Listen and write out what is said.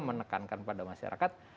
menekankan pada masyarakat